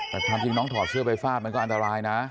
แต่ความจริงน้องถอดเสื้อไปฟาดมันก็อันตรายนะ